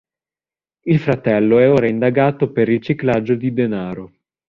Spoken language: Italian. Il fratello è ora indagato per riciclaggio di denaro.